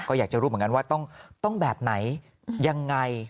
ก็อยากจะรู้เหมือนกันว่าต้องแบบไหนยังไง